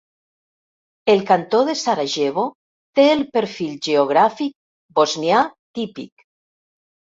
El Cantó de Sarajevo té el perfil geogràfic bosnià típic.